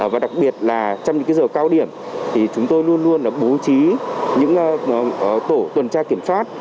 và đặc biệt là trong những giờ cao điểm thì chúng tôi luôn luôn bố trí những tổ tuần tra kiểm soát